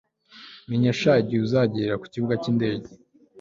Menyesha igihe uzagera kukibuga cyindege